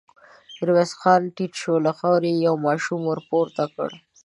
ميرويس خان ټيټ شو، له خاورو يې يو ماشوم ور پورته کړ.